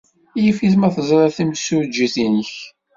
Yif-it ma teẓrid timsujjit-nnek.